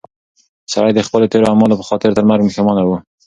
سړی د خپلو تېرو اعمالو په خاطر تر مرګ پښېمانه و.